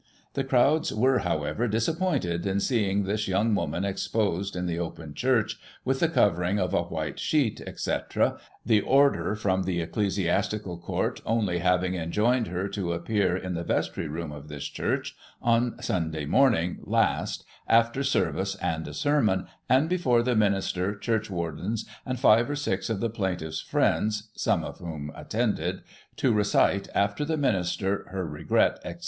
The crowds were, however, disappointed in seeing this yoimg woman exposed in the open church, with the covering of a white sheet, etc., the order from the Ecclesiastical Court only having enjoined her to appear in the vestry room of this church, on Simday morning last, after service and a sermon, and before the minister, churchwardens, and five or six of the plaintiff's friends (some of whom attended), to recite, after the minister, her regret, etc.